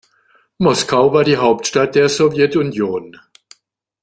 Moskau war die Hauptstadt der Sowjetunion.